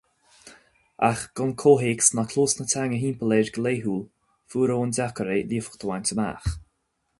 Ach gan comhthéacs ná cluas na teanga thimpeall air go laethúil, fuair Eoin deacair é líofacht a bhaint amach.